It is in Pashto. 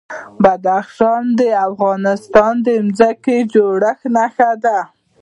بدخشان د افغانستان د ځمکې د جوړښت نښه ده.